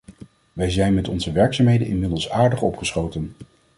Wij zijn met onze werkzaamheden inmiddels aardig opgeschoten.